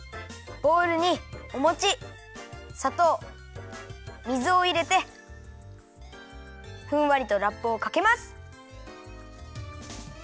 ボウルにおもちさとう水をいれてふんわりとラップをかけます。